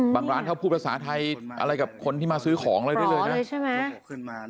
บางร้านเข้าพูดภาษาไทยอะไรกับคนที่มาซื้อของอะไรด้วยเลยนะ